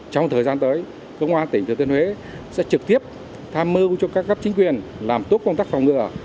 trong thời gian tới công an tỉnh thừa tiên huế sẽ trực tiếp tham mưu cho các cấp chính quyền làm tốt công tác phòng ngừa